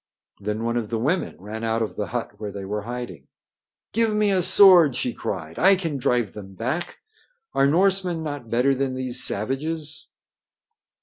Then one of the women ran out of the hut where they were hiding. "Give me a sword!" she cried. "I can drive them back. Are Norsemen not better than these savages?"